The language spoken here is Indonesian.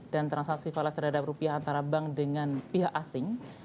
dan transaksi falas terhadap rupiah antara bank dengan pihak asing